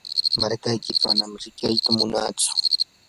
markaykita manam riqita munatsu.